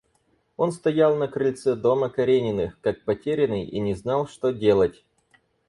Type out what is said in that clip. Он стоял на крыльце дома Карениных, как потерянный, и не знал, что делать.